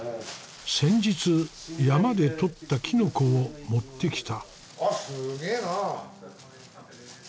先日山で採ったキノコを持ってきた。